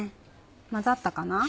混ざったかな？